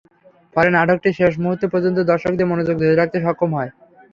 ফলে নাটকটি শেষ মুহূর্ত পর্যন্ত দর্শকদের মনোযোগ ধরে রাখতে সক্ষম হয়।